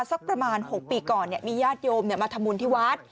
สักประมาณ๖ปีก่อนมีญาติโยมมาทำบุญที่วัด